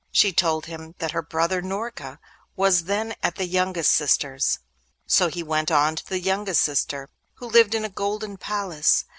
She told him that her brother Norka was then at her youngest sister's. So he went on to the youngest sister, who lived in a golden palace.